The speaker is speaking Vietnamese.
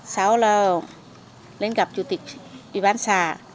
sau là lên gặp chủ tịch ủy ban xã